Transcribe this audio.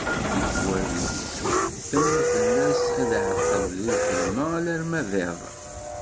Tikkwal yettuḥettem fell-as ad iɛeṭṭel di lxedma alarma d iḍ.